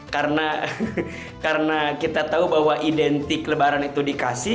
karena kita tahu bahwa identik lebaran itu dikasih